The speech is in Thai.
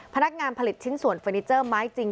พนักงานผลิตชิ้นส่วนเฟอร์นิเจอร์ไม้จริง